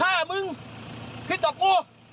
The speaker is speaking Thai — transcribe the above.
ถ้ามึงพิษต่อกู